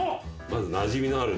まずなじみのある。